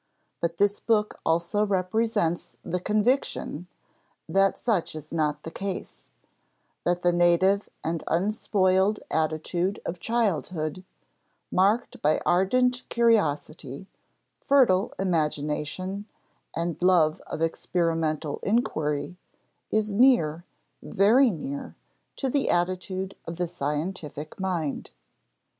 But this book also represents the conviction that such is not the case; that the native and unspoiled attitude of childhood, marked by ardent curiosity, fertile imagination, and love of experimental inquiry, is near, very near, to the attitude of the scientific mind.